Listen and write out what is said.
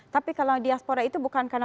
tapi kalau diaspora itu bukan karena